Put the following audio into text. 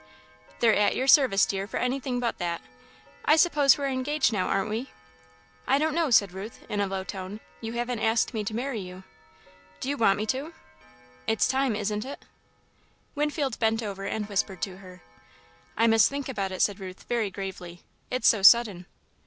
"They're at your service, dear, for anything but that. I suppose we're engaged now, aren't we?" "I don't know," said Ruth, in a low tone; "you haven't asked me to marry you." "Do you want me to?" "It's time, isn't it?" Winfield bent over and whispered to her. "I must think about it," said Ruth, very gravely, "it's so sudden."